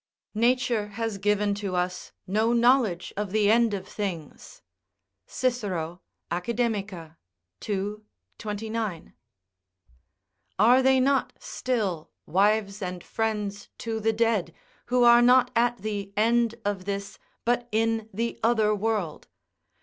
["Nature has green to us no knowledge of the end of things." Cicero, Acad., ii. 29.] Are they not still wives and friends to the dead who are not at the end of this but in the other world?